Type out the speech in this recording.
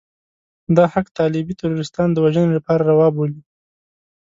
دا حق طالبي تروريستان د وژنې لپاره روا بولي.